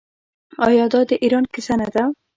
آیا دا د ایران کیسه نه ده؟